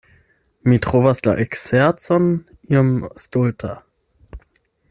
Mi trovas la ekzercon iom stulta.